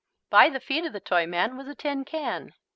By the feet of the Toyman was a tin can.